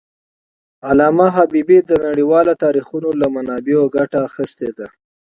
علامه حبيبي د نړیوالو تاریخونو له منابعو ګټه اخېستې ده.